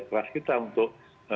keras kita untuk